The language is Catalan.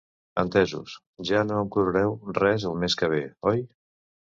Entesos, ja no em cobrareu res el mes que ve, oi?